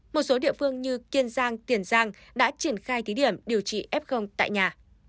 một số địa phương như kiên giang tiền giang đã triển khai thí điểm điều trị f tại nhà